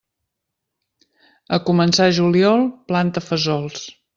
A començar juliol, planta fesols.